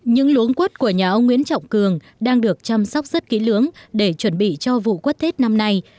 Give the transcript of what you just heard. những luống quất của nhà ông nguyễn trọng cường đang được chăm sóc rất kỹ lưỡng để chuẩn bị cho vụ quất tết năm nay